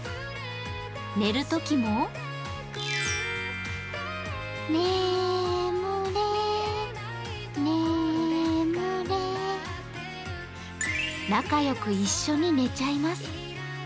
寝るときも仲良く一緒に寝ちゃいます。